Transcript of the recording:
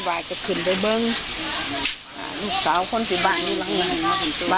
น่าจะเสื่อยังฝันเมื่อคืนเลยนะ